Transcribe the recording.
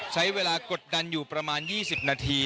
ใช้เวลากดดันอยู่ประมาณ๒๐นาที